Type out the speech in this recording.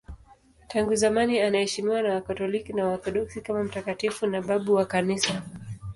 Tangu zamani anaheshimiwa na Wakatoliki na Waorthodoksi kama mtakatifu na babu wa Kanisa.